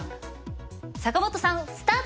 坂本さんスタート！